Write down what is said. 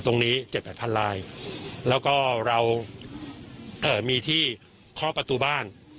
ตรงนี้เจ็ดแปดพันลายแล้วก็เราเอ่อมีที่ข้อประตูบ้าน